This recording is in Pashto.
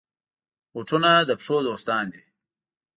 بوټونه د پښو دوستان دي.